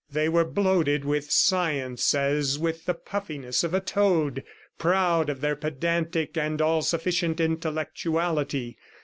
They were bloated with science as with the puffiness of a toad, proud of their pedantic and all sufficient intellectuality.